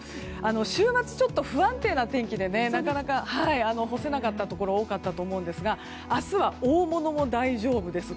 週末、不安定な天気でなかなか干せなかったところが多かったと思うんですが明日は大物も大丈夫です。